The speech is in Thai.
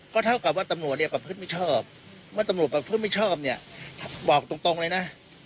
ก็เท่ากับว่าตำรวจเนี่ยประพฤติไม่ชอบเมื่อตำรวจประพฤติไม่ชอบเนี่ยบอกตรงเลยนะ